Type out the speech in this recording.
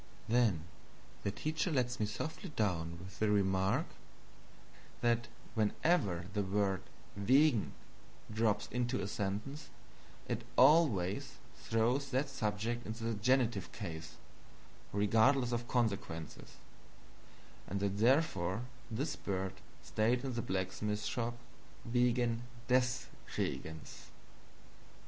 Then the teacher lets me softly down with the remark that whenever the word "wegen" drops into a sentence, it ALWAYS throws that subject into the GENITIVE case, regardless of consequences and therefore this bird stayed in the blacksmith shop "wegen DES Regens."